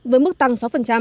với mức tăng sáu